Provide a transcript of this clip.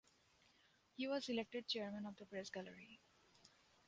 He was elected Chairman of the Press Gallery.